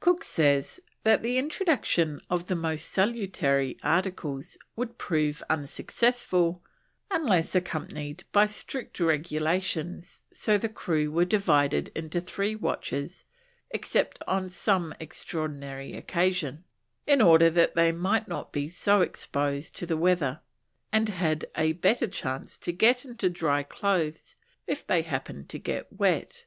Cook says that the introduction of the most salutary articles would prove unsuccessful unless accompanied by strict regulations so the crew were divided into three watches except on some extraordinary occasion, in order that they might not be so exposed to the weather, and had a better chance to get into dry clothes if they happened to get wet.